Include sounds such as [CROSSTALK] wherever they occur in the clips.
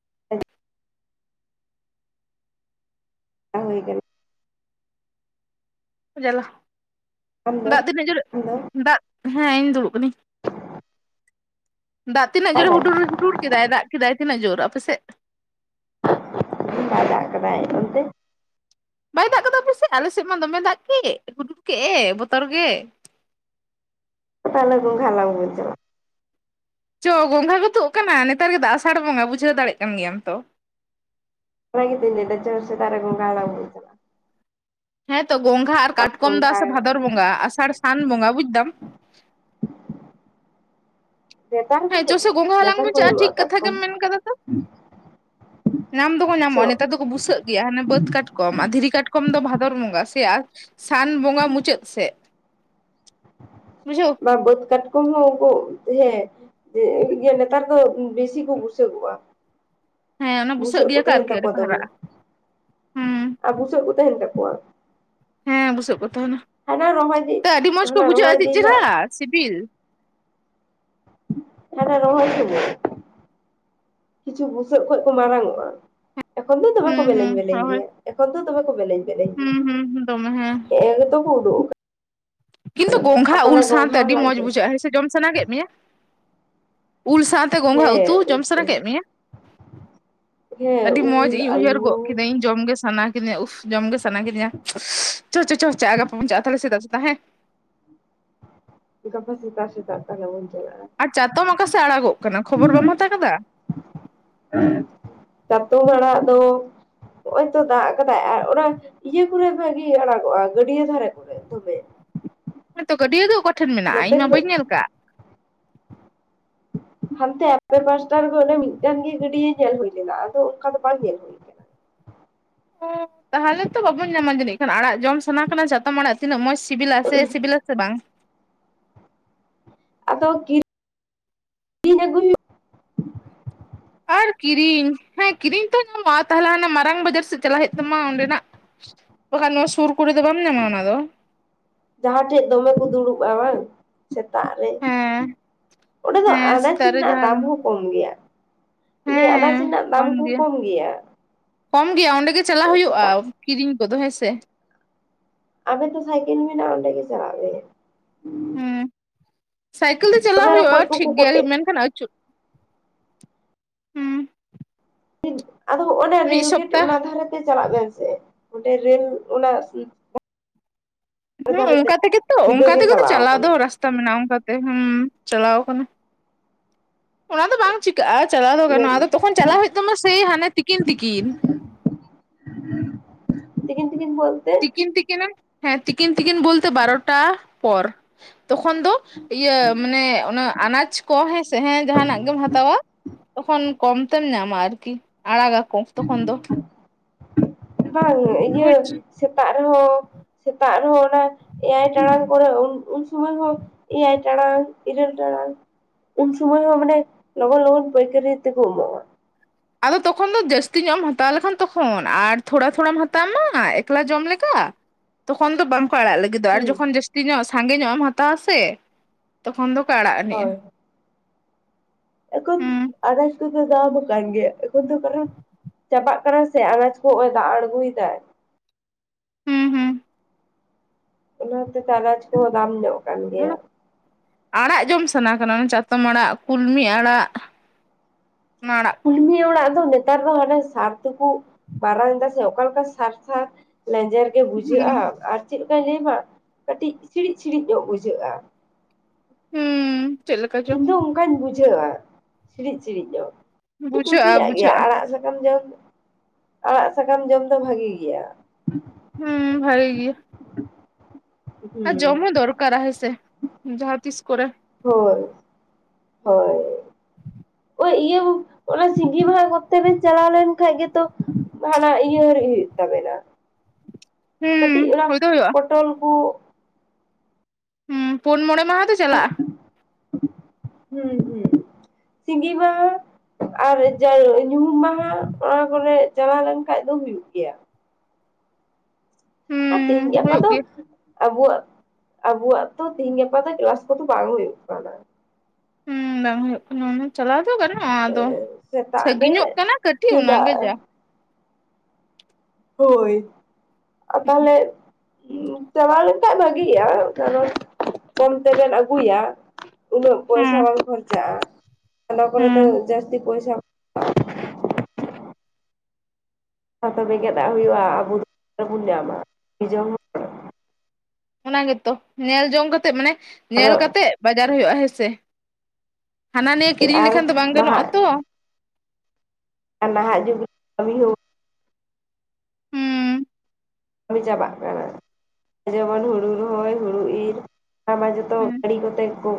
[UNINTELLIGIBLE] [UNINTELLIGIBLE] ᱡᱟᱞᱟ ᱟᱢ ᱫᱚ ᱫᱟᱜ ᱫᱤᱱᱟᱹᱜ ᱡᱚᱨ ᱟᱢ ᱫᱚ ᱫᱟᱜ ᱦᱮᱸ ᱤᱧ ᱫᱩᱲᱩᱵ ᱠᱟᱹᱱᱟᱹᱧ, ᱫᱟᱜ ᱛᱤᱱᱟᱹᱜ ᱵᱟᱭ ᱡᱚᱨᱮ ᱩᱰᱩ ᱫᱟᱜ ᱦᱩᱰᱩᱨ ᱪᱮᱫᱟᱭ ᱫᱟᱜ ᱠᱮᱫᱮᱫᱟᱭ ᱛᱤᱱᱟᱹᱜ ᱡᱨ ᱟᱯᱮᱥᱮᱫ? ᱵᱟᱭ ᱫᱟᱜ ᱚᱱᱛᱮ ᱵᱟᱭ ᱫᱟᱜ ᱠᱮᱫᱫᱟ ᱯᱮᱥᱮ ᱟᱞᱮ ᱥᱮᱫ ᱢᱟ ᱫᱚᱢᱮ ᱫᱟᱜ ᱠᱮᱫ ᱦᱩᱰᱩᱨ ᱠᱮᱫ ᱮ ᱵᱚᱛᱚᱨ ᱜᱮ ᱾ ᱛᱟᱦᱮᱞᱮ ᱜᱚᱝᱜᱷᱟ ᱦᱟᱞᱟᱝ ᱵᱚᱱ ᱪᱟᱞᱟᱜᱼᱟ ᱾ ᱪᱚ ᱜᱚᱝᱜᱷᱟ ᱠᱚ ᱛᱩᱜ ᱟᱠᱟᱱᱟ ᱱᱮᱛᱟᱨ ᱜᱮ ᱫᱟᱜ ᱟᱥᱟᱲ ᱵᱚᱸᱜᱟ ᱵᱩᱡᱷᱟᱹᱣ ᱫᱟᱲᱮᱭᱟᱜ ᱠᱟᱱ ᱜᱮᱭᱟᱢ ᱛᱚ ᱾ ᱚᱱᱟ ᱜᱮᱛᱩᱧ ᱞᱟᱹᱭ ᱫᱟ ᱪᱚ ᱥᱮᱛᱟᱜ ᱨᱮ ᱜᱚᱝᱜᱷᱟ ᱦᱟᱞᱟᱜ ᱵᱚᱱ ᱪᱟᱞᱟᱜᱼᱟ ᱾ ᱦᱮᱸ ᱛᱚ ᱜᱚᱝᱜᱷᱟ ᱟᱨ ᱠᱟᱴᱠᱚᱢ ᱫᱟᱥ ᱜᱚᱝᱜᱷᱟ ᱥᱮ ᱵᱷᱟᱫᱚᱨ ᱵᱚᱸᱜᱟ ᱟᱥᱟᱲ ᱥᱟᱱ ᱵᱚᱸᱜᱟ ᱵᱩᱡᱫᱟᱢ ᱱᱮᱛᱟᱨ ᱦᱚᱸᱠᱚ ᱦᱮᱸ ᱪᱟᱥᱮ ᱧᱟᱢᱚᱜᱼᱟ ᱜᱚᱝᱜᱟ ᱦᱟᱞᱟᱝ ᱱᱮᱛᱟᱨ ᱵᱚᱱ ᱦᱚᱸᱠᱚ ᱪᱟᱜᱼᱟ ᱴᱷᱤᱠ ᱧᱟᱢᱚᱜᱼᱟ ᱠᱟᱛᱷᱟ ᱠᱟᱴᱠᱚᱢ ᱜᱮᱢ ᱢᱮᱱ ᱠᱟᱫᱟ ᱛᱚ ᱾ ᱧᱟᱢ ᱫᱚᱠᱚ ᱪᱚ ᱧᱟᱢᱚᱜᱼᱟ ᱱᱮᱛᱟᱨ ᱫᱚᱠᱚ ᱵᱩᱥᱟᱹᱜ ᱜᱮᱭᱟ, ᱦᱟᱱᱮ ᱵᱟᱹᱫ ᱠᱟᱴ ᱠᱚᱢ ᱟᱨ ᱫᱷᱤᱨᱤ ᱠᱟᱴᱠᱚᱢ ᱫᱚ ᱵᱷᱟᱫᱚᱨ ᱵᱚᱸᱜᱟ, ᱥᱮ ᱥᱟᱱ ᱵᱚᱸᱜᱟ ᱢᱩᱪᱟᱹᱫ ᱥᱮᱫ, ᱵᱩᱡᱷᱟᱹᱣ ᱵᱟᱹᱫᱽ ᱠᱟᱴᱠᱚᱢ ᱩᱱᱠᱩ ᱦᱮᱸ ᱱᱮᱛᱟᱨ ᱦᱚᱭ ᱵᱮᱥᱤ ᱠᱚ ᱵᱩᱥᱟᱹᱜᱚᱜᱼᱟ ᱾ ᱦᱮᱸ ᱚᱱᱟ ᱵᱩᱥᱟᱹᱜ ᱠᱚ ᱜᱮᱭᱟ ᱛᱟᱦᱮᱱ ᱟᱨᱠᱤ ᱟᱹᱰᱤ ᱛᱟᱠᱚᱣᱟ ᱠᱚ ᱦᱟᱨᱟᱜᱼᱟ ᱫᱚᱢᱮ ᱦᱩᱸ ᱟᱨ ᱵᱩᱥᱟᱹᱜ ᱠᱚ ᱛᱟᱦᱮᱱ ᱛᱟᱠᱚᱣᱟ ᱾ ᱦᱮᱸ ᱵᱩᱥᱟᱹᱜ ᱠᱚ ᱛᱟᱦᱮᱱᱟ, ᱨᱚᱦᱚᱭ ᱫᱤᱱ ᱛᱚ ᱟᱹᱰᱤ ᱢᱚᱸᱡᱽ ᱠᱚ ᱦᱟᱱᱟ ᱵᱩᱡᱷᱟᱹᱜᱼᱟ ᱨᱚᱦᱚᱭ ᱟᱹᱰᱤ ᱫᱤᱱ ᱪᱮᱨᱦᱨᱟ ᱦᱟᱸᱜ ᱥᱤᱵᱤᱞ, ᱦᱮᱸ ᱨᱚᱦᱚᱭ ᱛᱮᱜᱮ, ᱠᱤᱪᱷᱩ ᱵᱩᱥᱟᱹᱜ ᱠᱷᱚᱡ ᱠᱚ ᱢᱟᱨᱟᱝ-ᱟ ᱾ ᱮᱠᱷᱚᱱ ᱫᱚ ᱛᱚᱵᱮ ᱦᱩᱸ ᱠᱚ ᱦᱩᱸ ᱵᱮᱞᱮᱧ ᱵᱮᱞᱮᱧ ᱨᱚᱦᱚᱭ ᱜᱮᱭᱟ, ᱮᱠᱷᱚᱱ ᱫᱚ ᱛᱚᱵᱮ ᱠᱚ ᱵᱮᱞᱮᱧ ᱵᱮᱞᱮᱧ ᱜᱮᱭᱟ ᱦᱩᱸ ᱾ ᱦᱩᱸ ᱫᱚᱢᱮ ᱦᱮᱸ ᱱᱮ ᱜᱮ ᱛᱚ ᱠᱚ ᱩᱰᱩᱜ ᱠᱤᱱᱛᱩ ᱜᱚᱝᱜᱷᱟ ᱩᱞ ᱥᱟᱶᱛᱮ ᱜᱚᱝᱜᱷᱟ ᱟᱹᱰᱤ ᱦᱟᱞᱟᱝ ᱢᱚᱸᱡᱽ ᱪᱚ ᱵᱩᱡᱷᱟᱹᱜ-ᱟ ᱦᱮᱸᱥᱮ ᱡᱚᱢ ᱥᱟᱱᱟ ᱠᱮᱫ ᱢᱮᱭᱟ ᱾ ᱩᱞ ᱥᱟᱶᱛᱮ, ᱱᱚᱛᱮ ᱜᱚᱸᱜᱷᱟ ᱩᱛᱩ ᱡᱚᱢ ᱥᱟᱱᱟ ᱠᱮᱫ ᱢᱮᱭᱟ, ᱦᱮᱸ ᱟᱹᱰᱤ ᱢᱚᱡᱽ ᱩᱞ ᱤᱧ ᱩᱭᱦᱟᱹᱨ ᱟᱹᱞᱩ ᱜᱚᱫ ᱠᱤᱫᱟᱹᱧ ᱾ ᱡᱚᱢ ᱜᱮ ᱥᱟᱱᱟ ᱠᱤᱫᱤᱧᱟ., ᱩᱦ ᱡᱚᱢ ᱜᱮ ᱥᱟᱱᱟ ᱠᱤᱫᱤᱧᱟ [UNINTELLIGIBLE] ᱡᱚᱢ ᱜᱮ ᱥᱟᱱᱟ ᱪᱚ ᱪᱚ ᱜᱟᱯᱟᱪᱟᱜ-ᱟ ᱛᱟᱦᱚᱞᱮ ᱥᱮᱛᱟᱜ ᱥᱮᱛᱟᱜ, ᱜᱟᱯᱟ ᱥᱮᱛᱟᱜ ᱥᱮᱛᱟᱜ ᱛᱟᱦᱞᱮ ᱵᱚᱱ ᱪᱟᱞᱟᱜ-ᱟ ᱾ ᱟᱨ ᱪᱟᱛᱚᱢ ᱚᱠᱟᱥᱮᱫ ᱟᱲᱟᱜᱚᱜ ᱠᱟᱱᱟ ᱠᱷᱚᱵᱚᱨ ᱵᱟᱢ ᱦᱟᱛᱟᱣ ᱠᱟᱫᱟ [INAUDIBLE] ᱪᱟᱛᱚᱢ ᱟᱲᱟᱜ ᱫᱚ, ᱱᱚᱜ ᱚᱭ ᱛᱚ ᱫᱟᱜ ᱟᱠᱟᱫᱟᱭ ᱟᱨ ᱚᱱᱟ ᱤᱭᱟᱹ ᱠᱚᱨᱮ ᱵᱷᱟᱜᱤ ᱟᱲᱟᱜᱚᱜ-ᱟ ᱜᱟᱹᱰᱭᱟ ᱫᱷᱟᱨᱮ ᱠᱚᱨᱮ ᱛᱚᱵᱮ, ᱱᱤᱛᱚᱜ ᱜᱟᱹᱰᱭᱟᱹ ᱫᱚ ᱚᱠᱟᱴᱷᱮᱱ ᱢᱮᱱᱟᱜ-ᱟ, ᱱᱚᱛᱮ ᱤᱧ ᱢᱟ ᱫᱚ ᱵᱟᱹᱧ ᱧᱮᱞ ᱟᱠᱟᱜ, ᱦᱟᱱᱛᱮ ᱟᱯᱮ ᱯᱟᱥᱴᱟ ᱨᱮᱦᱚ ᱚᱱᱮ ᱢᱤᱫᱴᱟᱝ ᱜᱮ ᱜᱟᱹᱰᱤ ᱧᱮᱞ ᱦᱩᱭ ᱞᱮᱱᱟ ᱟᱫᱚ ᱚᱱᱠᱟ ᱫᱚ ᱵᱟᱝ ᱧᱮᱞ ᱦᱚᱭ᱾ ᱛᱟᱦᱚᱞᱮ ᱛᱚ ᱵᱟᱵᱚᱱ ᱧᱟᱢᱟ ᱡᱟᱹᱱᱤᱡ ᱠᱷᱟᱱ ᱟᱲᱟᱜ ᱡᱚᱢ ᱥᱟᱱᱟ ᱠᱟᱱᱟ ᱡᱟᱛᱚᱢ ᱟᱲᱟᱜ ᱛᱤᱱᱟᱹᱜ ᱢᱚᱸᱡᱽ ᱥᱤᱵᱤᱞᱟ ᱥᱮᱭ ᱥᱤᱵᱤᱞᱟ ᱥᱮ ᱵᱟᱝ? ᱟᱫᱚ ᱠᱤ ᱠᱤᱨᱤᱧ ᱟᱹᱜᱩ ᱦᱩᱭᱩᱜ ᱟᱨ ᱠᱤᱨᱤᱧ ᱦᱮᱸ ᱠᱤᱨᱤᱧ ᱛᱮᱦᱚ ᱧᱟᱢᱚᱜ-ᱟ ᱛᱟᱦᱚᱞᱮ ᱦᱟᱱᱟ ᱢᱟᱨᱟᱝ ᱵᱟᱡᱟᱨ ᱥᱮᱫ ᱪᱟᱞᱟᱜ ᱦᱩᱭᱩᱜ ᱛᱟᱢᱟ ᱚᱸᱰᱮᱱᱟᱜ ᱵᱟᱠᱷᱟᱱ ᱱᱚᱣᱟ ᱥᱩᱨ ᱠᱚᱨᱮ ᱫᱚ ᱵᱟᱢ ᱧᱟᱢᱟ ᱚᱱᱟ ᱫᱚ᱾ ᱡᱟᱦᱟᱸ ᱴᱷᱮᱡ ᱫᱚᱢᱮ ᱠᱚ ᱫᱩᱲᱩᱵᱼᱟ ᱵᱟᱝ ᱥᱮᱛᱟᱜ ᱨᱮ᱾ ᱦᱮᱸ ᱚᱸᱰᱮ ᱫᱚ ᱦᱮᱸ ᱟᱱᱟᱡᱽ ᱥᱮᱛᱟᱜ ᱨᱮ ᱨᱮᱱᱟᱜ ᱫᱟᱢ ᱡᱟᱦᱟᱸ ᱦᱚᱸ ᱫᱚ ᱠᱚᱢ ᱜᱮᱭᱟ᱾ ᱢᱮᱱ ᱫᱤᱧ ᱟᱱᱟᱡ ᱨᱮᱱᱟᱜ ᱫᱟᱢ ᱠᱚ ᱠᱚᱢ ᱜᱮᱭᱟ᱾ ᱠᱚᱢ ᱜᱮᱭᱟ ᱚᱸᱰᱮ ᱜᱮ ᱪᱟᱞᱟᱜ ᱦᱩᱭᱩᱜᱼᱟ ᱥᱮᱛᱟᱜ ᱠᱤᱨᱤᱧ ᱠᱚᱫᱚ᱾ ᱦᱮᱸ ᱥᱮ? ᱟᱞᱮ ᱫᱚ ᱥᱟᱭᱠᱮᱞ ᱢᱮᱱᱟᱼᱟ ᱚᱸᱰᱮ ᱜᱮ ᱪᱟᱞᱟᱜ ᱟᱞᱮ᱾ ᱦᱮᱸ ᱥᱟᱭᱠᱮᱞ ᱛᱮ ᱪᱟᱞᱟ ᱦᱩᱭᱩᱜᱼᱟ ᱨᱚᱠᱚᱡ ᱠᱚᱠᱚ ᱴᱷᱤᱠ ᱜᱮᱭᱟ᱾ ᱠᱚᱴᱮᱡ ᱢᱮᱱᱠᱷᱟᱱ ᱟᱹᱪᱩᱨ ᱦᱩᱸ ᱟᱫᱚ ᱚᱱᱟ ᱢᱤᱫ ᱨᱮᱹᱞ ᱜᱮᱴ ᱥᱚᱯᱛᱟ ᱚᱱᱟ ᱫᱷᱟᱨᱮᱛᱮ ᱪᱟᱞᱟᱜ ᱵᱮᱱ ᱥᱮ ᱚᱸᱰᱮ ᱨᱮᱹᱞ ᱚᱱᱟ ᱦᱩᱸᱢ ᱫᱷᱟᱨᱮ ᱛᱮ ᱚᱱᱠᱟ ᱛᱮᱜᱮ ᱛᱚ ᱥᱤᱫᱟᱹ ᱚᱱᱠᱟ ᱜᱮ ᱛᱮᱜᱮᱛᱚ ᱪᱟᱞᱟᱣ ᱠᱟᱱᱟ ᱫᱚ ᱨᱟᱥᱛᱟ ᱢᱮᱱᱟᱜᱼᱟ ᱚᱱᱠᱟᱛᱮ ᱦᱩᱸᱢ ᱪᱟᱞᱟᱣ ᱠᱟᱱᱟ᱾ ᱚᱱᱟ ᱫᱚ ᱵᱟᱝ ᱪᱤᱠᱟᱹᱜᱼᱟ ᱪᱟᱞᱟᱣ ᱫᱚ ᱜᱟᱱᱚᱜᱼᱟ ᱟᱫᱚ ᱛᱚᱠᱷᱚᱱ ᱪᱟᱞᱟᱣ ᱦᱩᱭᱩᱜ ᱛᱟᱢᱟ ᱥᱮᱭ ᱦᱟᱱᱮ ᱛᱤᱠᱤᱱ ᱛᱤᱠᱤᱱ᱾ ᱛᱤᱠᱤᱱ ᱛᱤᱠᱤᱱ ᱵᱚᱞᱛᱮ? ᱛᱤᱠᱤᱱ ᱛᱤᱠᱤᱱ ᱦᱮᱸ ᱛᱤᱠᱤᱱ ᱛᱤᱠᱤᱱ ᱵᱚᱞᱛᱮ ᱵᱟᱨᱚᱴᱟ ᱯᱚᱨ᱾ ᱛᱚᱠᱷᱚᱱ ᱫᱚ ᱤᱭᱟᱹ ᱢᱟᱱᱮ ᱚᱱᱟ ᱟᱱᱟᱡ ᱠᱚ ᱦᱮᱸ ᱥᱮ ᱦᱮᱸ ᱡᱟᱦᱱᱟᱜ ᱜᱮᱢ ᱦᱟᱛᱟᱣᱟ ᱛᱚᱠᱷᱚᱱ ᱠᱚᱢ ᱛᱮᱢ ᱧᱟᱢᱼᱟ ᱟᱨᱠᱤ᱾ ᱟᱲᱟᱜᱟᱠᱚ ᱛᱚᱠᱷᱚᱱ ᱫᱚ ᱵᱟᱝ ᱤᱭᱟᱹ ᱵᱩᱡᱽ ᱥᱮᱛᱟᱜ ᱨᱮᱦᱚᱸ ᱥᱮᱛᱟᱜ ᱨᱮᱦᱚᱸ ᱚᱱᱟ ᱮᱭᱟᱭ ᱴᱟᱲᱟᱝ ᱠᱚᱨᱮ ᱩᱱ ᱥᱚᱢᱚᱭ ᱦᱚᱸ ᱮᱭᱟᱭ ᱴᱟᱲᱟᱝ ᱤᱨᱟᱹᱞ ᱴᱟᱲᱟᱝ᱾ ᱩᱱ ᱥᱚᱢᱚᱭ ᱦᱚᱸ ᱢᱟᱱᱮ ᱞᱚᱜᱚᱱ ᱞᱚᱜᱚᱱ ᱯᱟᱹᱭᱠᱟᱨᱤ ᱛᱮᱠᱚ ᱮᱢᱚᱜᱼᱟ᱾ ᱟᱫᱚ ᱛᱚᱠᱷᱚᱱ ᱫᱚ ᱡᱟᱹᱥᱛᱤ ᱧᱚᱜ ᱮᱢ ᱦᱟᱛᱟᱣ ᱞᱮᱠᱷᱟᱱ ᱛᱚᱠᱷᱚᱱ ᱟᱨ ᱛᱷᱚᱲᱟ ᱛᱷᱚᱲᱟᱢ ᱦᱟᱛᱟᱣ ᱢᱟ ᱮᱠᱞᱟ ᱡᱚᱢ ᱞᱮᱠᱟ ᱛᱚᱠᱷᱚᱱ ᱫᱚ ᱵᱟᱝᱠᱚ ᱟᱲᱟᱜ ᱞᱟᱜᱤᱫ ᱞᱟᱹᱜᱤᱫ ᱫᱚᱜᱼᱟ ᱟᱨ ᱦᱩᱸ ᱡᱚᱠᱷᱚᱱ ᱡᱟᱹᱥᱛᱤ ᱧᱚᱜ ᱥᱟᱸᱜᱮ ᱧᱚᱜ ᱮᱢ ᱦᱟᱛᱟᱣᱼᱟ ᱥᱮ ᱛᱚᱠᱷᱚᱱ ᱫᱚᱠᱚ ᱟᱲᱟᱜ ᱟᱱᱤᱡᱼᱟ᱾ ᱦᱳᱭ ᱮᱠᱷᱚᱱ ᱟᱱᱟᱡ ᱠᱚᱫᱚ ᱫᱟᱢ ᱫᱚ ᱠᱟᱱ ᱜᱮᱭᱟ ᱮᱠᱷᱚᱱ ᱫᱚ ᱠᱟᱨᱚᱱ ᱪᱟᱵᱟᱜ ᱠᱟᱱᱟ ᱥᱮ ᱟᱱᱟᱡ ᱠᱚ ᱱᱚᱜᱼᱚᱭ ᱫᱟᱜ ᱟᱬᱜᱚᱭ ᱫᱟᱭ᱾ ᱦᱩᱸ ᱦᱩᱸ ᱚᱱᱟ ᱦᱚᱛᱮᱫ ᱛᱮ ᱟᱱᱟᱡ ᱠᱚᱦᱚᱸ ᱫᱟᱢ ᱧᱚᱜ ᱠᱟᱱ ᱚᱱᱟ ᱜᱮᱭᱟ᱾ ᱟᱲᱟᱜ ᱡᱚᱢ ᱥᱟᱱᱟ ᱠᱟᱱᱟ ᱚᱱᱟ ᱪᱟᱛᱚᱢ ᱟᱲᱟᱜ ᱠᱩᱞᱢᱤ ᱟᱲᱟᱜ ᱚᱱᱟ ᱟᱲᱟᱜ᱾ ᱠᱚ ᱠᱩᱞᱢᱤ ᱚᱲᱟᱜ ᱫᱚ ᱱᱮᱛᱟᱨ ᱦᱚᱸ ᱦᱟᱱᱮ ᱥᱟᱨ ᱛᱮᱠᱩ ᱢᱟᱨᱟᱝ ᱮᱫᱟ ᱥᱮ ᱚᱠᱟᱞᱮᱠᱟ ᱥᱟᱨ ᱥᱟᱨ ᱞᱮᱸᱡᱮᱨ ᱜᱮ ᱦᱩᱸ ᱵᱩᱡᱷᱟᱹᱜᱼᱟ ᱟᱨ ᱪᱮᱫ ᱞᱮᱠᱟᱧ ᱞᱟᱹᱭᱟᱢᱟ ᱠᱟᱹᱴᱤᱡ ᱪᱤᱲᱤᱡ ᱥᱤᱲᱤᱡ ᱧᱚᱜ ᱵᱩᱡᱷᱟᱹᱜᱼᱟ᱾ ᱦᱩᱸ ᱪᱮᱫ ᱞᱮᱠᱟ ᱪᱚ ᱤᱧ ᱫᱚ ᱚᱱᱠᱟᱧ ᱵᱩᱡᱷᱟᱹᱣᱼᱟ ᱥᱤᱬᱤᱡ ᱥᱤᱬᱤᱡ ᱧᱚᱜ᱾ ᱵᱩᱡᱷᱟᱹᱜᱼᱟ ᱠᱩᱥᱤᱭᱟᱜ ᱜᱮᱭᱟ ᱵᱩᱡᱷᱟᱹᱜᱼᱟ ᱟᱲᱟᱜ ᱥᱟᱠᱟᱢ ᱡᱚᱢ ᱟᱲᱟᱜ ᱥᱟᱠᱟᱢ ᱡᱚᱢ ᱫᱚ ᱵᱷᱟᱜᱤ ᱜᱮᱭᱟ᱾ ᱦᱩᱸ ᱵᱷᱟᱹᱜᱤ ᱜᱮᱭᱟ᱾ ᱟᱨ ᱦᱩᱸ ᱡᱚᱢᱽᱦᱚ ᱫᱚᱨᱠᱟᱨᱟ ᱦᱳᱭ ᱥᱮ ᱡᱟᱦᱟᱸ ᱛᱤᱥ ᱠᱚᱨᱮ᱾ ᱦᱳᱭ ᱦᱳᱭ [INAUDIBLE] ᱦᱚᱸᱜᱼᱚᱭ ᱤᱭᱟᱹ ᱚᱱᱟ ᱥᱤᱸᱜᱤ ᱢᱟᱦᱟ ᱠᱚᱛᱮ ᱵᱮᱱ ᱪᱟᱞᱟᱣ ᱞᱮᱱᱠᱷᱟᱡ ᱜᱮᱛᱚ ᱡᱟᱦᱟᱱᱟᱜ ᱤᱭᱟᱹ ᱨᱤᱜ ᱦᱩᱭᱩᱜ ᱛᱟᱵᱮᱱᱟ ᱦᱩᱸ ᱠᱟᱹᱴᱤᱡ ᱚᱱᱟ ᱦᱩᱭ ᱫᱚ ᱦᱩᱭᱩᱜᱼᱟ ᱯᱚᱴᱚᱞ ᱠᱚ᱾ ᱦᱩᱸ ᱯᱳᱱ ᱢᱚᱬᱮ ᱢᱟᱦᱟ ᱫᱚ ᱪᱟᱞᱟᱜᱼᱟ᱾ ᱦᱩᱸ ᱦᱩᱸ ᱥᱤᱸᱜᱤᱢᱟᱦᱟ ᱟᱨ ᱡᱟ ᱧᱩᱦᱩᱢ ᱢᱟᱦᱟ ᱚᱱᱟ ᱠᱚᱨᱮᱜ ᱪᱟᱞᱟᱣ ᱞᱮᱱᱠᱟᱡ ᱫᱚ ᱦᱩᱭᱩᱜ ᱜᱮᱭᱟ᱾ ᱟᱨ ᱛᱮᱦᱤᱧ ᱦᱩᱸ ᱜᱟᱯᱟ ᱦᱩᱭᱩᱜ ᱫᱚ ᱜᱮᱭᱟ ᱟᱵᱚᱣᱟᱜ ᱟᱵᱚᱣᱟᱜ ᱛᱚ ᱛᱤᱦᱤᱧ ᱜᱟᱯᱟ ᱫᱚ ᱠᱮᱞᱟᱥ ᱠᱚᱫᱚ ᱵᱟᱝ ᱦᱩᱭᱩᱜ ᱠᱟᱱᱟ᱾ ᱦᱩᱸ ᱵᱟᱝ ᱦᱩᱭᱩᱜ ᱠᱟᱱᱟ ᱪᱟᱞᱟᱣ ᱫᱚ ᱜᱟᱱᱚᱜ ᱦᱚᱸ ᱟᱫᱚ ᱥᱮᱛᱟᱜ ᱨᱮ ᱥᱟᱺᱜᱤᱧᱚᱜ ᱠᱟᱱᱟ ᱠᱟᱹᱴᱤᱡ ᱚᱱᱟᱜᱮ ᱡᱟ᱾ ᱪᱮᱫᱟᱜ ᱦᱳᱭ ᱟᱨ ᱛᱟᱦᱚᱞᱮ ᱪᱟᱞᱟᱣ ᱞᱮᱱᱠᱷᱟᱡ ᱵᱷᱟᱜᱤᱜᱼᱟ ᱠᱟᱨᱚᱱ ᱠᱚᱢ ᱛᱮᱵᱮᱱ ᱟᱹᱜᱩᱭᱟᱹ ᱾ ᱩᱱᱟᱹᱜ ᱯᱚᱭᱥᱟ ᱦᱩᱸ ᱵᱟᱝ ᱠᱷᱚᱨᱪᱟᱜᱼᱟ᱾ ᱱᱚᱭᱟ ᱠᱚᱨᱮ ᱫᱚ ᱦᱩᱸ ᱡᱟᱹᱥᱛᱤ ᱯᱚᱭᱥᱟ ᱵᱮᱸᱜᱮᱫᱟᱜ ᱦᱩᱭᱩᱜᱼᱟ ᱟᱵᱚ ᱫᱚ ᱚᱵᱟ ᱨᱮᱵᱚᱱ ᱧᱟᱢᱟ [UNINTELLIGIBLE] ᱚᱱᱟ ᱜᱮᱛᱚ ᱧᱮᱞ ᱡᱚᱝ ᱠᱟᱛᱮᱜ ᱢᱟᱱᱮ ᱟᱨᱚ ᱧᱮᱞ ᱠᱟᱛᱮᱜ ᱵᱟᱡᱟᱨ ᱦᱩᱭᱩᱜᱼᱟ ᱦᱮᱸᱥᱮ᱾ ᱦᱟᱱᱟ ᱱᱤᱭᱟᱹ ᱠᱤᱨᱤᱧ ᱟᱨ ᱞᱮᱠᱷᱟᱱ ᱫᱚ ᱵᱟᱝ ᱜᱟᱱᱚᱜᱼᱟ ᱱᱟᱦᱟᱜ ᱛᱚ᱾ ᱟᱨ ᱱᱟᱦᱟᱜ ᱡᱩᱜᱽ ᱨᱮ ᱠᱟᱹᱢᱤ ᱦᱚᱸ ᱦᱩᱸ ᱪᱟᱵᱟᱜ ᱠᱟᱱᱟ ᱡᱮᱢᱚᱱ ᱦᱩᱲᱩ ᱨᱚᱦᱚᱭ ᱦᱩᱲᱩ ᱤᱨ ᱟᱭᱢᱟ ᱡᱚᱛᱚ ᱦᱩᱸ ᱜᱟᱹᱲᱤ ᱠᱚᱛᱮᱜᱮ ᱠᱚ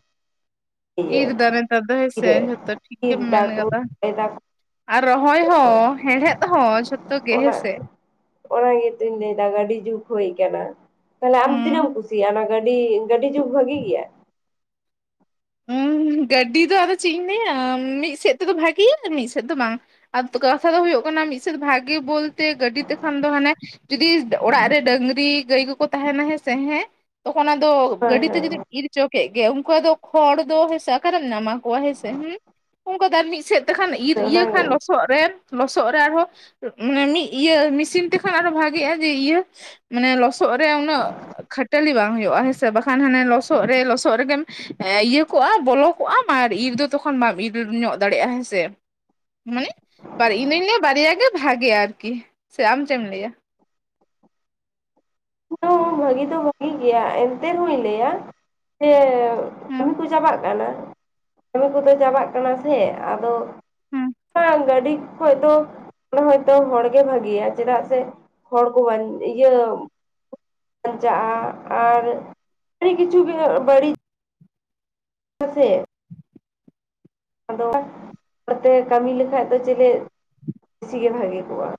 ᱤᱨ ᱤᱭᱟᱹ ᱫᱟ ᱱᱮᱛᱟᱨ ᱫᱚ ᱦᱮᱸᱥᱮ ᱛᱤᱨᱮ ᱡᱷᱚᱛᱚ ᱴᱷᱤᱠ ᱤᱨ ᱜᱮᱢ ᱢᱮᱱ ᱫᱟᱠᱚ ᱠᱟᱫᱟ ᱨᱚᱦᱚᱭ ᱫᱟᱠᱚ ᱟᱨ ᱨᱚᱦᱚᱭ ᱦᱚᱸ ᱦᱮᱲᱦᱮᱫ ᱦᱚᱸ ᱡᱷᱚᱛᱚ ᱜᱮ ᱚᱱᱟ ᱦᱮᱸᱥᱮ ᱚᱱᱟ ᱜᱮᱛᱚᱧ ᱞᱟᱹᱭᱮᱫᱟ ᱜᱟᱹᱰᱤ ᱡᱩᱜ ᱦᱩᱭ ᱠᱟᱱᱟ ᱛᱟᱞᱦᱮ ᱟᱢ ᱦᱩᱸ ᱛᱤᱱᱟᱹᱜ ᱮᱢ ᱠᱩᱥᱤᱭᱟᱜᱼᱟ ᱚᱱᱟ ᱜᱟᱹᱰᱤ? ᱜᱟᱹᱰᱤ ᱡᱩᱜᱽ ᱵᱷᱟᱹᱜᱤ ᱜᱮᱭᱟ᱾ ᱦᱩᱸ ᱜᱟᱹᱰᱤ ᱫᱚ ᱟᱫᱚ ᱪᱮᱜ ᱤᱧ ᱞᱟᱹᱭᱟ ᱢᱤᱫ ᱥᱮᱫ ᱛᱮᱫᱚ ᱵᱷᱟᱜᱮᱭᱟ ᱢᱤᱫ ᱥᱮᱫ ᱫᱚ ᱵᱟᱝ ᱾ ᱟᱫᱚ ᱠᱟᱛᱷᱟ ᱫᱚ ᱦᱳᱭᱳᱜ ᱠᱟᱱᱟ ᱢᱤᱫ ᱥᱮᱫ ᱵᱷᱟᱜᱮ ᱵᱚᱞᱛᱮ ᱜᱟᱹᱰᱤ ᱛᱮᱠᱷᱟᱱ ᱫᱚ ᱦᱟᱱᱮ ᱡᱩᱫᱤ ᱚᱲᱟᱜ ᱨᱮ ᱰᱟᱹᱝᱨᱤ ᱜᱟᱹᱭ ᱠᱚᱠᱚ ᱛᱟᱦᱮᱱᱟ ᱦᱮᱸ ᱥᱮ ᱦᱮᱸ ᱾ ᱛᱚᱠᱷᱚᱱ ᱟᱫᱚ ᱦᱳᱭ ᱜᱟᱹᱰᱤ ᱛᱮ ᱦᱳᱭ ᱡᱩᱫᱤᱢ ᱤᱨ ᱪᱚ ᱠᱮᱜ ᱜᱮ ᱩᱱᱠᱩ ᱟᱫᱚ ᱦᱚᱲ ᱫᱚ ᱦᱮᱸᱥᱮ ᱟᱠᱟᱨᱮᱢ ᱧᱟᱢᱟ ᱠᱚᱣᱟ ᱦᱮᱸᱥᱮ ᱦᱮᱸ ᱩᱝᱠᱚ ᱫᱚ ᱟᱨ ᱢᱤᱫ ᱥᱮᱫ ᱛᱮᱠᱷᱟᱱ ᱤᱨ ᱚᱱᱟ ᱤᱭᱟᱹ ᱠᱷᱟᱱ ᱞᱚᱥ ᱞᱚᱥᱚᱜ ᱨᱮᱢ ᱞᱚᱥᱚᱜ ᱨᱮ ᱟᱨᱦᱚᱸ ᱢᱟᱱᱮ ᱢᱤᱜ ᱤᱭᱟᱹ ᱢᱤᱥᱤᱱ ᱛᱮᱠᱷᱟᱱ ᱟᱨᱦᱚᱸ ᱵᱷᱟᱜᱮᱜᱼᱟ ᱡᱮ ᱤᱭᱟᱹ ᱢᱟᱱᱮ ᱞᱚᱥᱚᱜ ᱨᱮ ᱩᱱᱟᱹᱜ ᱠᱷᱟᱹᱴᱟᱹᱞᱤ ᱵᱟᱝ ᱦᱩᱭᱩᱜᱼᱟ ᱦᱮᱸᱥᱮ ᱵᱟᱠᱷᱟᱱ ᱦᱟᱱᱮ ᱞᱚᱥᱚᱜ ᱨᱮ ᱞᱚᱥᱚᱜ ᱨᱮᱜᱮᱢ ᱤᱭᱟᱹ ᱠᱚᱜᱼᱟ ᱵᱚᱞᱚ ᱠᱚᱜᱼᱟᱢ ᱟᱨ ᱤᱨ ᱫᱚ ᱛᱚᱠᱷᱚᱱ ᱵᱟᱢ ᱤᱨ ᱧᱚᱜ ᱫᱟᱲᱮᱭᱟᱜᱼᱟ ᱦᱮᱸᱥᱮ᱾ ᱢᱟᱱᱮ ᱵᱟᱨ ᱤᱧᱫᱩᱧ ᱞᱟᱹᱭᱟ ᱵᱟᱨᱭᱟ ᱜᱮ ᱵᱷᱟᱜᱮᱭᱟ ᱟᱨᱠᱤ ᱥᱮ ᱟᱢ ᱪᱮᱜ ᱮᱢ ᱞᱟᱹᱭᱟ᱾ ᱦᱮ ᱵᱷᱟᱹᱜᱤ ᱫᱚ ᱵᱷᱟᱹᱜᱤ ᱜᱮᱭᱟ ᱮᱱᱛᱮ ᱨᱮᱦᱚᱧ ᱞᱟᱹᱭᱟ ᱡᱮ ᱦᱮᱸ ᱠᱟᱹᱢᱤ ᱠᱚ ᱪᱟᱵᱟᱜ ᱠᱟᱱᱟ ᱠᱟᱹᱢᱤ ᱠᱚᱫᱚ ᱪᱟᱵᱟᱜ ᱠᱟᱱᱟ ᱥᱮ ᱟᱫᱚ ᱦᱮᱸ ᱵᱟᱝ ᱜᱟᱹᱰᱤ ᱠᱷᱚᱡ ᱫᱚ ᱦᱚᱭᱛᱚ ᱦᱚᱲ ᱜᱮ ᱵᱷᱟᱹᱜᱮᱭᱟ ᱪᱮᱫᱟᱜ ᱥᱮ ᱦᱚᱲ ᱠᱚ ᱵᱟᱝ ᱤᱭᱟᱹ ᱵᱟᱧᱪᱟᱜᱼᱟ ᱟᱨ ᱟᱹᱰᱤ ᱠᱤᱪᱷᱩ ᱵᱟᱹᱲᱤᱡ ᱭᱟᱥᱮ᱾ ᱟᱫᱚ ᱦᱚᱲᱛᱮ ᱠᱟᱹᱢᱤ ᱞᱮᱠᱷᱟᱡ ᱫᱚ ᱪᱮᱞᱮ [INAUDIBLE] ᱥᱤ ᱜᱮ ᱵᱷᱟᱜᱮ ᱠᱚᱜᱼᱟ ᱾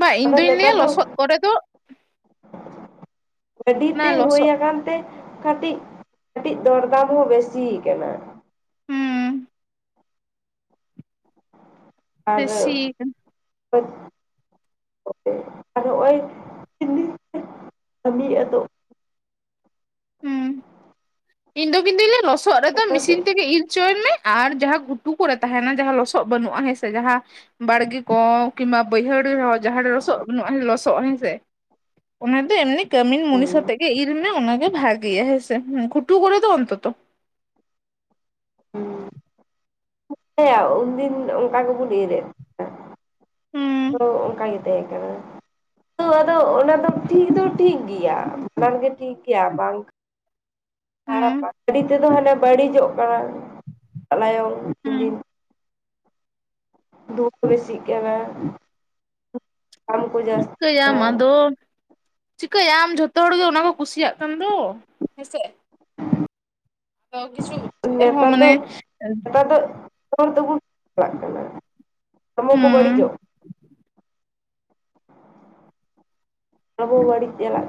ᱵᱟ ᱤᱧ ᱟᱫᱚ ᱫᱩᱧ ᱞᱟᱹᱭᱟ ᱱᱮᱛᱟᱨ ᱫᱚ ᱞᱚᱥᱚᱫ ᱠᱚᱨᱮ ᱫᱚ ᱜᱟᱹᱰᱤ ᱚᱱᱟ ᱛᱮ ᱦᱳᱭ ᱞᱚᱥᱚᱫ ᱟᱠᱟᱱ ᱛᱮ ᱠᱟᱹᱴᱤᱡ ᱠᱟᱹᱴᱤᱡ ᱫᱚᱨᱫᱟᱢ ᱦᱚᱸ ᱵᱮᱥᱤᱭᱟ ᱠᱟᱱᱟ᱾ ᱦᱩᱸ ᱟᱨ ᱵᱮᱥᱤ ᱦᱩᱸ [INAUDIBLE] ᱟᱨ ᱦᱚᱜᱼᱚᱭ [UNINTELLIGIBLE] ᱠᱟᱹᱢᱤ ᱟᱫᱚ ᱦᱩᱸ ᱤᱧ ᱫᱚ ᱠᱤᱱᱛᱩᱧ ᱞᱟᱹᱭᱟ ᱞᱚᱥᱚᱫ ᱨᱮᱫᱚ ᱠᱟᱱᱟ ᱢᱤᱥᱤᱱ ᱛᱮᱜᱮ ᱤᱨᱪᱚᱭ ᱢᱮ ᱟᱨ ᱡᱟᱦᱟᱸ ᱜᱷᱩᱛᱩ ᱠᱚᱨᱮ ᱛᱟᱦᱮᱱᱟ ᱡᱟᱦᱟᱸ ᱞᱚᱥᱚᱜ ᱵᱟᱹᱱᱩᱜᱼᱟ ᱦᱮᱸᱥᱮ ᱡᱟᱦᱟᱸ ᱵᱟᱲᱜᱮ ᱠᱚ ᱠᱤᱝᱵᱟ ᱵᱟᱹᱭᱦᱟᱹᱲ ᱨᱮᱦᱚᱸ ᱡᱟᱦᱟᱸᱲᱮ ᱞᱚᱥᱚᱜ ᱵᱟᱹᱱᱩᱜᱼᱟ ᱞᱚᱥ ᱦᱮᱸᱥᱮ ᱚᱱᱟ ᱫᱚ ᱮᱢᱱᱤ ᱠᱟᱹᱢᱤᱱ ᱢᱩᱱᱤᱥᱟᱛᱮᱜ ᱜᱮ ᱤᱨ ᱢᱮ ᱚᱱᱟᱜᱮ ᱵᱷᱟᱜᱮᱭᱟ ᱦᱮᱸ ᱥᱮ ᱦᱩᱸ ᱜᱷᱩᱴᱩ ᱠᱚᱨᱮ ᱫᱚ ᱚᱱᱛᱚᱛᱚ ᱾ ᱦᱮ [UNINTELLIGIBLE] ᱩᱱᱫᱤᱱ ᱚᱱᱠᱟ ᱜᱮᱵᱚᱱ ᱤᱨ ᱮᱫ ᱦᱮᱸ ᱛᱚ ᱚᱱᱠᱟ ᱜᱮᱮ ᱛᱟᱦᱮᱸ ᱠᱟᱱᱟ ᱛ ᱟᱫᱚ ᱚᱱᱟ ᱫᱚ ᱴᱷᱤᱠ ᱫᱚ ᱴᱷᱤᱠ ᱜᱮᱭᱟ ᱵᱟᱱ ᱜᱮ ᱴᱷᱤᱠ ᱜᱮᱭᱟ ᱵᱟᱝ᱾ ᱦᱟᱨᱟᱯᱟ ᱦᱩᱸ ᱜᱟᱹᱟᱹᱨᱰᱤ ᱛᱮᱫᱚ ᱦᱟᱱᱮ ᱵᱟᱹᱲᱤᱡᱚᱜ ᱠᱟᱱᱟ ᱞᱟᱭᱚᱝ ᱫᱤᱱ ᱦᱩᱸ ᱫᱷᱩᱵ ᱵᱮᱥᱤᱜ ᱠᱟᱱᱟ ᱠᱚ ᱡᱟᱥ ᱪᱷᱤᱠᱟᱹᱭᱟᱢ ᱟᱫᱚ ᱪᱤᱠᱟᱭᱟᱢ ᱡᱷᱚᱛᱚ ᱦᱚᱲ ᱜᱮ ᱚᱱᱟ ᱠᱚ ᱠᱩᱥᱤᱭᱟᱜ ᱠᱟᱱ ᱫᱚ ᱦᱮᱸᱥᱮ᱾ ᱛᱚ ᱠᱤᱪᱷᱩ ᱱᱮᱛᱟᱨ ᱫᱚ ᱮᱦᱳᱢᱟᱱᱮ ᱱᱮᱛᱟᱨ ᱫᱚ [UNINTELLIGIBLE] ᱠᱚ ᱦᱩᱸ ᱵᱟᱹᱲᱤᱡᱚᱜ [UNINTELLIGIBLE] ᱵᱟᱹᱲᱤᱡ ᱪᱟᱞᱟᱜ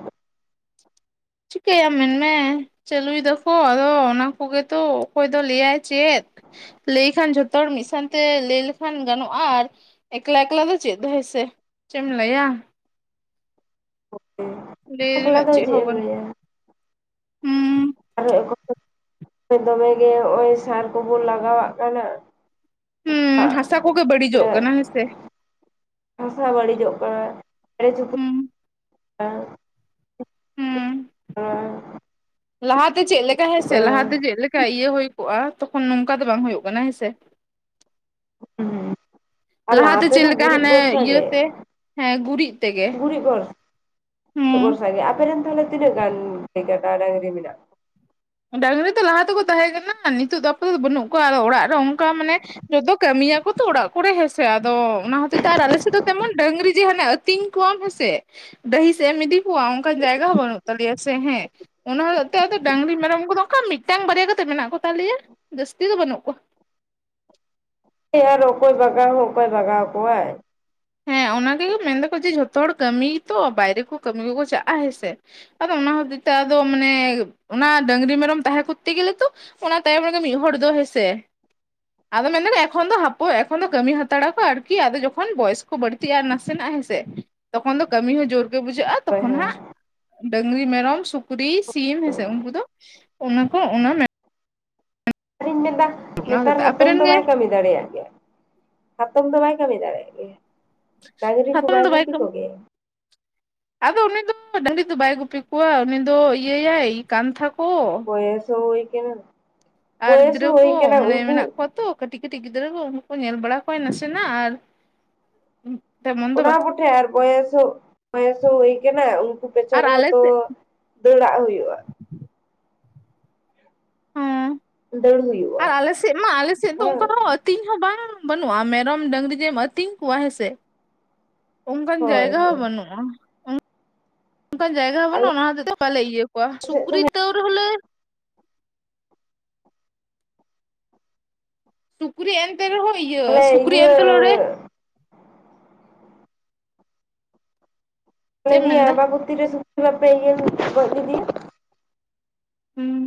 ᱪᱤᱠᱟᱹᱭᱟᱢ ᱢᱮᱱ ᱢᱮ ᱾ ᱪᱟᱹᱞᱩᱭ ᱫᱟᱠᱚ ᱟᱫᱚ ᱚᱱᱟ ᱠᱚᱜᱮ ᱛᱚ ᱚᱠᱚᱭ ᱫᱚ ᱞᱟᱹᱭᱟᱭ ᱪᱮᱫ? ᱞᱟᱹᱭ ᱠᱷᱟᱱ ᱡᱷᱚᱛᱚ ᱦᱚᱲ ᱢᱤᱫ ᱥᱟᱶᱛᱮ ᱞᱟᱹᱭ ᱞᱮᱠᱷᱟᱱ ᱜᱟᱱᱚᱜᱼᱟ ᱟᱨ ᱮᱠᱞᱟ ᱮᱠᱞᱟ ᱫᱚ ᱪᱮᱫ ᱫᱚ ᱦᱳᱭ ᱥᱮ ᱪᱮᱫ ᱮᱢ ᱞᱟᱹᱭᱟ? ᱞᱟᱹᱭ [UNINTELLIGIBLE] ᱮᱠᱞᱟ ᱨᱮᱱᱟᱜ ᱫᱚ ᱪᱮᱢ ᱮᱢ ᱞᱟᱹᱭᱟ? ᱦᱩᱸᱻ [UNINTELLIGIBLE] ᱫᱚᱢᱮ ᱜᱮ ᱱᱚᱜᱼᱚᱭ ᱥᱟᱨ ᱠᱚᱵᱚᱱ ᱞᱟᱜᱟᱣᱟᱜ ᱠᱟᱱᱟ᱾ ᱦᱩᱸ ᱦᱟᱥᱟ ᱠᱚᱜᱮ ᱵᱟᱹᱲᱤᱡᱚᱜ ᱠᱟᱱᱟ ᱦᱮᱸᱥᱮ ᱾ ᱦᱟᱥᱟ ᱵᱟᱹᱲᱤᱡᱚᱜ ᱠᱟᱱᱟ ᱪᱮᱬᱮ ᱦᱩᱸ [UNINTELLIGIBLE] ᱦᱩᱸ [UNINTELLIGIBLE] ᱞᱟᱦᱟᱛᱮ ᱪᱮᱫ ᱞᱮᱠᱟ ᱦᱮᱸᱥᱮ ᱞᱟᱦᱟᱛᱮ ᱦᱩᱸ ᱪᱮᱫ ᱞᱮᱠᱟ ᱤᱭᱟᱹ ᱦᱩᱭ ᱠᱚᱜᱼᱟ ᱛᱚᱠᱷᱚᱱ ᱱᱚᱝᱠᱟ ᱫᱚ ᱵᱟᱝ ᱦᱩᱭᱩᱜ ᱠᱟᱱᱟ ᱦᱮᱸᱥᱮ ᱦᱮᱸ ᱟᱨ ᱞᱟᱦᱟ ᱞᱟᱦᱟᱛᱮ ᱪᱮᱫ ᱛᱮᱫᱚ ᱞᱮᱠᱟ ᱜᱩᱨᱤᱡ ᱦᱟᱱᱮ ᱵᱷᱚᱨᱥᱟ ᱜᱮ ᱤᱭᱟᱹᱛᱮ ᱦᱮᱸ ᱜᱩᱨᱤᱡ ᱛᱮᱜᱮ ᱜᱩᱨᱤᱡ ᱵᱷᱚᱨᱥᱟ ᱦᱩᱸ ᱵᱷᱚᱨᱥᱟ ᱜᱮ ᱟᱯᱮ ᱨᱮᱱ ᱛᱟᱦᱚᱞᱮ ᱛᱤᱱᱟᱹᱜ ᱜᱟᱱ‌ ᱜᱟᱹᱭ, ᱠᱟᱰᱟ, ᱰᱟᱹᱟᱝᱨᱤ ᱢᱮᱱᱟᱜᱼᱟ ᱰᱟᱝᱨᱤ ᱛᱚ ᱞᱟᱦᱟ ᱛᱮᱠᱚ ᱛᱟᱦᱮᱸ ᱠᱟᱱᱟ ᱱᱤᱛᱚᱜ ᱫᱚ [UNINTELLIGIBLE] ᱫᱚ ᱵᱟᱹᱱᱩᱜ ᱠᱚᱣᱟ ᱟᱫᱚ ᱚᱲᱟᱜ ᱨᱮ ᱚᱱᱠᱟ ᱢᱟᱱᱮ ᱡᱚᱛᱚ ᱠᱟᱹᱢᱤᱭᱟᱠᱚ ᱛᱚ ᱚᱲᱟᱜ ᱠᱚᱨᱮ ᱦᱮᱸᱥᱮ ᱟᱫᱚ ᱚᱱᱟ ᱦᱚᱛᱮᱡ ᱛᱮ ᱟᱞᱮ ᱥᱮᱫ ᱫᱚ ᱛᱮᱢᱚᱱ ᱰᱟᱹᱝᱨᱤ ᱡᱮ ᱦᱟᱱᱮ ᱟᱛᱤᱧ ᱠᱚᱣᱟᱢ ᱦᱮᱸ ᱥᱮ ᱰᱟᱹᱦᱤ ᱥᱮᱫ ᱮᱢ ᱤᱫᱤ ᱠᱚᱣᱟ ᱚᱱᱠᱟᱱ ᱡᱟᱭᱜᱟ ᱦᱚᱸ ᱵᱟᱹᱱᱩᱜ ᱛᱟᱞᱮᱭᱟ ᱥᱮ ᱦᱮᱸ ᱚᱱᱟ ᱦᱚᱛᱮᱛᱮ ᱟᱫᱚ ᱰᱟᱹᱝᱨᱤ ᱢᱮᱨᱚᱢ ᱠᱚᱫᱚ ᱚᱱᱠᱟ ᱢᱤᱫᱴᱟᱝ ᱵᱟᱨᱭᱟ ᱠᱟ ᱠᱟᱛᱮᱫ ᱢᱮᱱᱟᱜ ᱠᱚ ᱛᱟᱞᱮᱭᱟ ᱡᱟᱹᱥᱛᱤ ᱫᱚ ᱵᱟᱹᱱᱩᱜ ᱠᱚᱣᱟ ᱟᱨ ᱚᱠᱚᱭ ᱵᱟᱜᱟᱣ ᱦᱚᱸ ᱚᱠᱚᱭ ᱵᱟᱜᱟᱣ ᱠᱚᱣᱟᱭ ᱦᱮᱸ ᱚᱱᱟ ᱜᱮᱠᱚ ᱢᱮᱱ ᱫᱟᱠᱚ ᱡᱮ ᱡᱷᱚᱛᱚ ᱦᱚᱲ ᱠᱟᱹᱢᱤ ᱛᱚ ᱵᱟᱭᱨᱮ ᱠᱚ ᱠᱟᱹᱢᱤ ᱠᱚᱠᱚ ᱪᱟᱜᱼᱟ ᱦᱮᱸᱥᱮ ᱟᱫᱚ ᱚᱱᱟ ᱦᱚᱛᱮᱡ ᱛᱮ ᱟᱫᱚ ᱢᱟᱱᱮ ᱚᱱᱟ ᱰᱟᱹᱝᱨᱤ ᱢᱮᱨᱚᱢ ᱛᱟᱦᱮᱸ ᱠᱚᱨᱛᱮ ᱜᱮᱞᱮ ᱛᱚ ᱚᱱᱟ ᱛᱟᱭᱚᱢ ᱨᱮᱜᱮ ᱢᱤᱫ ᱦᱚᱲ ᱫᱚ ᱦᱮᱸᱥᱮ ᱟᱫᱚ ᱢᱮᱱᱫᱟ ᱮᱠᱷᱚᱱ ᱫᱚ ᱠᱟᱹᱢᱤ ᱦᱟᱛᱟᱲᱟ ᱠᱚ ᱟᱨᱠᱤ ᱡᱚᱠᱷᱚᱱ ᱵᱚᱭᱚᱥ ᱠᱚ ᱵᱟᱹᱲᱛᱤᱜᱼᱟ ᱟᱨ ᱱᱟᱥᱮᱱᱟᱜ ᱦᱮᱸᱥᱮ ᱛᱚᱠᱷᱚᱱ ᱫᱚ ᱠᱟᱹᱢᱤ ᱦᱚᱸ ᱡᱳᱨ ᱜᱮ ᱵᱩᱡᱷᱟᱹᱜᱼᱟ ᱦᱳᱭ ᱛᱚᱠᱷᱚᱱ ᱦᱳᱭ ᱦᱟᱸᱜ ᱰᱟᱹᱝᱨᱤ, ᱢᱮᱨᱚᱢ, ᱥᱩᱠᱨᱤ, ᱥᱤᱢ ᱦᱮᱸᱥᱮ ᱩᱱᱠᱩ ᱫᱚ ᱚᱱᱟ ᱠᱚ ᱚᱱᱟ ᱤᱧ ᱢᱮᱱᱫᱟ ᱚᱱᱟ ᱦᱚᱛᱮᱡ ᱱᱮᱛᱟᱨ ᱛᱮ ᱦᱟᱛᱚᱢ ᱟᱯᱮᱨᱮᱱ ᱫᱚ ᱜᱮ ᱵᱟᱭ ᱠᱟᱹᱢᱤ ᱮᱫᱟ? ᱫᱟᱲᱮᱭᱟᱜ ᱜᱮᱭᱟ ᱦᱟᱛᱚᱢ ᱫᱚ ᱵᱟᱭ ᱠᱟᱹᱢᱤ ᱫᱟᱲᱮᱭᱟᱜ ᱜᱮᱭᱟ? ᱰᱟᱝᱨᱤ ᱠᱚ ᱦᱟᱛᱚᱢ ᱵᱟᱭ ᱫᱚ ᱜᱩᱯᱤ ᱠᱟᱹᱢᱤ ᱠᱚᱜᱮᱭᱟ? ᱟᱫᱚ ᱩᱱᱤ ᱫᱚ ᱰᱟᱹᱝᱨᱤ ᱫᱚ ᱵᱟᱭ ᱜᱩᱯᱤ ᱠᱚᱣᱟ ᱩᱱᱤ ᱫᱚ ᱤᱭᱟᱹᱭᱟᱭ ᱠᱟᱱᱛᱷᱟ ᱠᱚ ᱵᱚᱭᱮᱥ ᱦᱚ ᱦᱚᱭ ᱠᱟᱱᱟ ᱟᱨ ᱵᱚᱭᱮᱥ ᱜᱤᱫᱽᱨᱟᱹ ᱦᱚᱸ ᱠᱚ ᱦᱩᱭ ᱠᱟᱱᱟ ᱢᱟᱱᱮ ᱩᱱᱠᱩ ᱢᱮᱱᱟᱜ ᱠᱚᱣᱟ ᱛᱚ ᱠᱟᱹᱴᱤᱡ ᱠᱟᱹᱴᱤᱡ ᱜᱤᱫᱽᱨᱟᱹ ᱠᱚ ᱩᱱᱠᱩ ᱧᱮᱞ ᱵᱟᱲᱟ ᱠᱚᱣᱟᱭ ᱱᱟᱥᱮᱱᱟᱜ ᱟᱨ ᱛᱮᱢᱚᱱ ᱫᱚ ᱚᱱᱟ ᱵᱟᱝ ᱠᱚᱴᱷᱮ ᱟᱨ ᱵᱚᱭᱮᱥ ᱦᱚ ᱵᱚᱭᱮᱥ ᱦᱚ ᱦᱩᱭ ᱠᱟᱱᱟ ᱩᱱᱠᱩ ᱯᱮᱪᱷᱚᱱ ᱟᱨ ᱨᱮᱦᱚᱸ ᱟᱞᱮ ᱛᱚ ᱥᱮᱫ ᱫᱟᱹᱲᱟᱜ ᱦᱩᱭᱩᱜᱼᱟ ᱦᱚᱸ ᱫᱟᱹᱲ ᱦᱩᱭᱩᱜ ᱟᱨ ᱟᱞᱮ ᱥᱮᱫ ᱢᱟ ᱟᱞᱮ ᱥᱮᱫ ᱫᱚ ᱚᱱᱠᱟ ᱟᱹᱛᱤᱧ ᱦᱚᱸ ᱵᱟᱝ ᱵᱟᱹᱱᱩᱜᱼᱟ ᱢᱮᱨᱚᱢ ᱰᱟᱹᱝᱨᱤ ᱡᱮᱢ ᱟᱹᱛᱤᱧ ᱠᱚᱣᱟ ᱦᱮᱸᱥᱮ ᱚᱱᱠᱟᱱ ᱦᱳᱭ ᱡᱟᱭᱜᱟ ᱦᱳᱭ ᱦᱚᱸ ᱵᱟᱹᱱᱩᱜᱼᱟ᱾ ᱚᱱᱠᱟᱱ ᱡᱟᱭᱜᱟ ᱟᱞᱮ ᱵᱟᱹᱱᱩᱜᱼᱟ ᱚᱱᱟ ᱦᱚᱛᱮᱛᱮ ᱵᱟᱞᱮ ᱤᱭᱟᱹ ᱠᱚᱣᱟ ᱥᱮᱫ ᱫᱚ ᱥᱩᱠᱨᱤ ᱛᱟᱹᱣ ᱨᱮᱦᱚ ᱞᱮ ᱥᱩᱠᱨᱤ ᱮᱱᱛᱮ ᱨᱮᱦᱚᱸ ᱤᱭᱟᱹ ᱟᱞᱮ ᱥᱩᱠᱨᱤ ᱤᱭᱟᱹ ᱮᱱᱛᱮᱞᱚ ᱨᱮ ᱢᱮᱱ ᱪᱮᱫ ᱮᱢ ᱫᱤᱱ ᱢᱮᱱᱫᱟ ᱟᱵᱟᱵᱩᱛᱤ [INAUDIBLE] ᱜᱚᱡ ᱞᱮᱫᱮᱭᱟ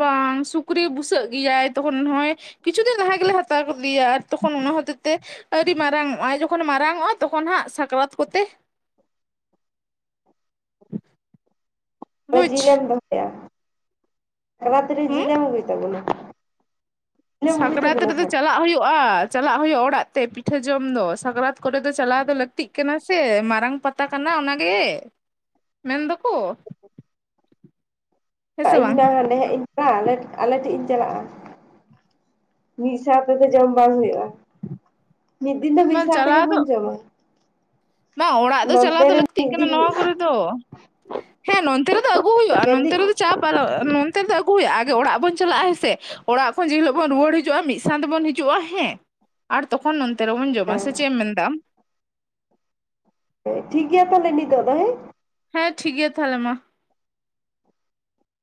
ᱵᱟᱝ ᱥᱩᱠᱨᱤ ᱵᱩᱥᱟᱹᱜ ᱜᱮᱭᱟᱭ ᱛᱚᱠᱷᱚᱱ ᱱᱚᱜᱚᱭ ᱠᱤᱪᱷᱩ ᱫᱤᱱ ᱞᱟᱦᱟ ᱜᱮᱞᱮ ᱦᱟᱛᱟᱣ ᱠᱮᱫᱮᱭᱟ ᱟᱨ ᱛᱚᱠᱷᱚᱱ ᱚᱱᱟ ᱦᱚᱛᱮᱡ ᱛᱮ ᱟᱹᱣᱨᱤ ᱢᱟᱨᱟᱝᱚᱜ ᱟᱭ ᱡᱚᱠᱷᱚᱱ ᱢᱟᱨᱟᱝᱚᱜᱼᱟ ᱛᱚᱠᱷᱚᱱ ᱦᱟᱸᱜ ᱥᱟᱠᱨᱟᱛ ᱠᱚᱛᱮ ᱚᱱᱮ ᱵᱩᱡᱽ ᱡᱤᱞ ᱮᱢ [UNINTELLIGIBLE] ᱛᱤᱨᱮ ᱦᱩᱸ ᱡᱤᱞ ᱮᱢ ᱟᱹᱜᱩᱭ ᱛᱟᱵᱚᱱᱟ? ᱡᱤᱞᱮᱢ ᱟᱹᱜᱩᱭ ᱥᱟᱠᱨᱟᱛ ᱛᱟᱵᱚᱱᱟ ᱨᱮᱫᱚ ᱥᱮ ᱪᱟᱞᱟᱜ ᱦᱩᱭᱩᱜᱼᱟ ᱾ ᱪᱟᱞᱟᱜ ᱦᱩᱭᱩᱜᱼᱟ ᱚᱲᱟᱜ ᱛᱮ ᱯᱤᱴᱷᱟᱹ ᱡᱚᱢ ᱫᱚ ᱥᱟᱠᱨᱟᱛ ᱠᱚᱨᱮ ᱫᱚ ᱪᱟᱞᱟᱣ ᱫᱚ ᱞᱟᱹᱠᱛᱤᱜ ᱠᱟᱱᱟ ᱥᱮ ᱢᱟᱨᱟᱝ ᱯᱟᱛ ᱛᱟ ᱠᱟᱱᱟ ᱚᱱᱟᱜᱮ ᱢᱮᱱ ᱫᱚᱠᱚ ᱦᱮᱸ ᱥᱮ ᱟᱧ ᱵᱟᱝ ᱢᱟ ᱦᱟᱸᱰᱮ ᱦᱟᱸᱜ ᱤᱧ ᱪᱟᱞᱟᱜᱼᱟ [INAUDIBLE] ᱟᱞᱮ ᱟᱞᱮ ᱴᱷᱮᱱ ᱤᱧ ᱪᱟᱞᱟᱜᱼᱟ ᱢᱤᱫ ᱥᱟᱶ ᱛᱮᱫᱚ ᱡᱚᱢ ᱵᱟᱝ ᱦᱩᱭᱩᱜᱼᱟ ᱢᱤᱫ ᱫᱤᱱ ᱫᱚ ᱢᱤᱫ ᱵᱟᱝ ᱥᱟᱶ ᱛᱮᱜᱮ ᱪᱟᱞᱟᱣ ᱫᱚ ᱵᱚᱱ ᱡᱚᱢᱟ ᱵᱟᱝ ᱚᱲᱟᱜ ᱫᱚ ᱪᱟᱞᱟᱣ ᱱᱚᱱᱛᱮ ᱫᱚ ᱨᱮ ᱞᱟᱹᱠᱛᱤᱜ ᱢᱤᱫ ᱠᱟᱱᱟ ᱫᱤᱱ ᱱᱚᱣᱟ ᱢᱤᱫ ᱠᱚᱨᱮ ᱫᱚ ᱦᱮᱸ ᱱᱚᱱᱛᱮ ᱨᱮᱫᱚ ᱟᱹᱜᱩ ᱦᱩᱭᱩᱜᱼᱟ ᱱᱚᱱᱛᱮ ᱫᱤᱱ ᱨᱮᱫᱚ ᱪᱟᱯ ᱱᱚᱱᱛᱮ ᱫᱚ ᱟᱹᱜᱩ ᱦᱩᱭᱩᱜᱼᱟ ᱟᱜᱮ ᱚᱲᱟᱜ ᱵᱚᱱ ᱪᱟᱞᱟᱜᱼᱟ ᱦᱮ ᱥᱮ ᱚᱲᱟᱜ ᱠᱷᱚᱱ ᱡᱮ ᱦᱤᱞᱳᱜ ᱵᱚᱱ ᱨᱩᱣᱟᱹᱲ ᱦᱤᱡᱩᱜᱼᱟ ᱢᱤᱫ ᱥᱟᱶ ᱛᱮᱵᱚᱱ ᱦᱤᱡᱩᱜ ᱦᱤᱡᱩᱜᱼᱟ ᱦᱮᱸ ᱟᱨ ᱛᱚᱠᱷᱚᱱ ᱱᱚᱱᱛᱮ ᱨᱮᱵᱚᱱ ᱡᱚᱢᱟ ᱦᱮᱸ ᱥᱮ ᱪᱮᱫ ᱮᱢ ᱢᱮᱱᱫᱟ ᱟᱢ ᱴᱷᱤᱠ ᱜᱮᱭᱟ ᱛᱟᱦᱚᱞᱮ ᱱᱤᱛᱚᱜ ᱫᱚ ᱦᱮᱸ ᱦᱮᱸ ᱴᱷᱤᱠ ᱜᱮᱭᱟ ᱛᱟᱦᱚᱞᱮ ᱢᱟ